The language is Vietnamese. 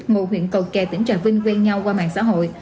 ngụ huyện cầu kè tỉnh trà vinh quen nhau qua mạng xã hội